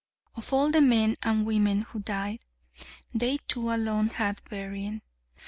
Of all the men and women who died, they two alone had burying.